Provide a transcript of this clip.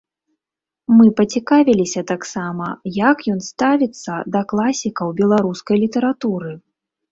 Мы пацікавіліся таксама, як ён ставіцца да класікаў беларускай літаратуры.